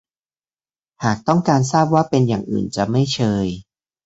หากต้องการทราบว่าเป็นอย่างอื่นจะไม่เชย